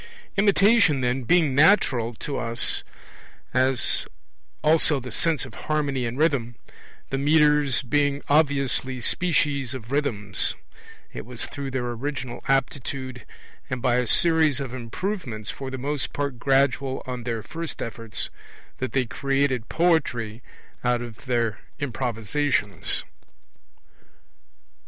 Imitation, then, being natural to us as also the sense of harmony and rhythm, the metres being obviously species of rhythms it was through their original aptitude, and by a series of improvements for the most part gradual on their first efforts, that they created poetry out of their improvisations.